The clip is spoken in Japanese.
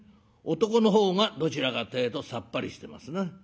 男の方がどちらかってえとさっぱりしてますな。